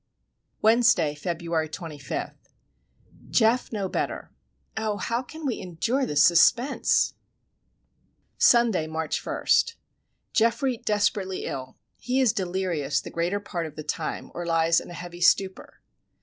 Wednesday, February 25. Geof no better. Oh, how can we endure this suspense! Sunday, March 1. Geoffrey desperately ill. He is delirious the greater part of the time, or lies in a heavy stupour.